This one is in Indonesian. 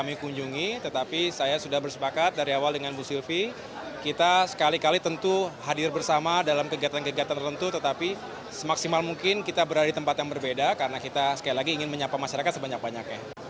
mungkin kita berada di tempat yang berbeda karena kita sekali lagi ingin menyapa masyarakat sebanyak banyaknya